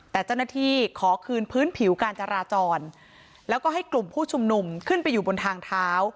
แต่เจ้าหน้าที่ขอคืนพื้นผิวการจราจรแล้วก็ให้กลุ่มผู้ชุมนุมขึ้นไปอยู่บนทางเท้า